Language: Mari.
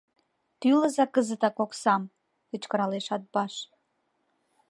— Тӱлыза кызытак оксам! — кычкыралеш Атбаш.